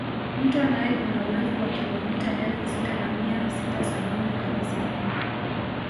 Mto nile una urefu wa kilomita elfu sita na mia sita sabini kabisa